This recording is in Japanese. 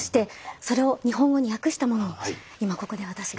それを日本語に訳したものを今ここで私が代読させて頂きます。